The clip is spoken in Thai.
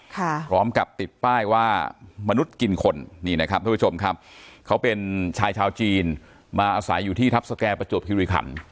พร้อมกับติดป้ายว่ามนุษย์กินคนนี่นะครับทุกผู้ชมครับเขาเป็นชายชาวจีนมาอาศัยอยู่ที่ทัพสแก่ประจวบคิริขัน